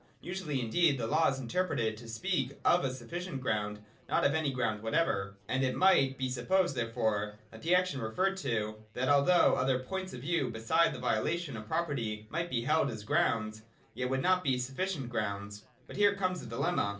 Usually indeed the law is interpreted to speak of a sufficient ground, not of any ground whatever : and it might be supposed therefore, in the action referred to, that, although other points of view besides the violation of property might be held as grounds, yet they would not be sufficient grounds. But here comes a dilemma.